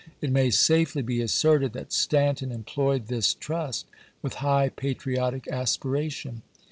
It may safely be asserted that Stanton employed this trust with high patriotic aspiration.